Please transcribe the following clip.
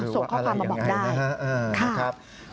ส่งค้าความมาบอกได้ค่ะ